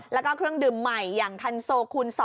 แล้วก็เครื่องดื่มใหม่อย่างคันโซคูณ๒